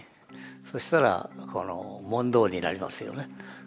そしたら問答になりますよね。